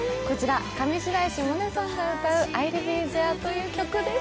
上白石萌音さんの歌う「Ｉ’ｌｌｂｅｔｈｅｒｅ」という曲です。